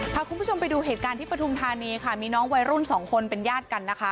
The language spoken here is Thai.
พาคุณผู้ชมไปดูเหตุการณ์ที่ปฐุมธานีค่ะมีน้องวัยรุ่นสองคนเป็นญาติกันนะคะ